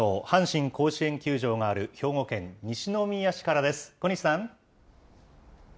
阪神甲子園球場がある兵庫県西宮市からです。